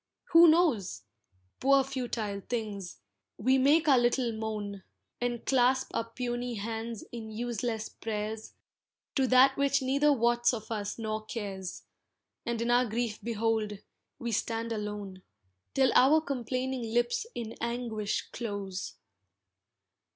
Who knows? Poor futile things, we make our little moan, And clasp our puny hands in useless prayers To that which neither wots of us nor cares, And in our grief behold, we stand alone, Till our complaining lips in anguish close.